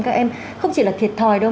các em không chỉ là thiệt thòi đâu